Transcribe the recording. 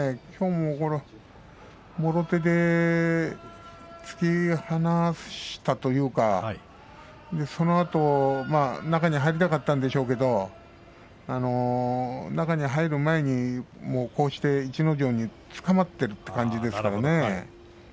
きょうも、もろ手で突き放したというかそのあと中に入りたかったんでしょうけど中に入る前に、こうして逸ノ城につかまっているという感じですからね。